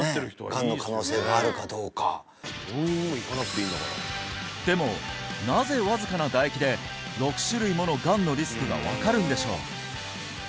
がんの可能性があるかどうかでもなぜわずかな唾液で６種類ものがんのリスクが分かるんでしょう？